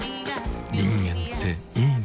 人間っていいナ。